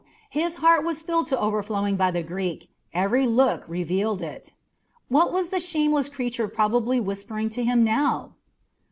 His heart was filled to overflowing by the Greek every look revealed it. What was the shameless creature probably whispering to him now?